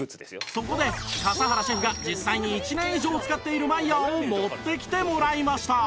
そこで笠原シェフが実際に１年以上使っているマイヤーを持ってきてもらいました